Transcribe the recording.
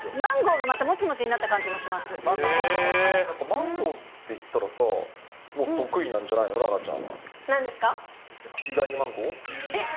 でも、マンゴーっていったらさ、もう得意なんじゃないの、楽々ちゃん。